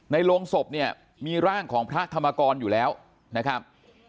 โรงศพเนี่ยมีร่างของพระธรรมกรอยู่แล้วนะครับ